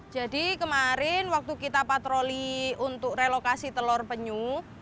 jadi kemarin waktu kita patroli untuk relokasi telur penyu